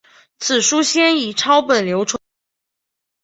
此书先以抄本流传。